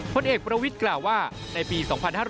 ผลเอกประวิทย์กล่าวว่าในปี๒๕๕๙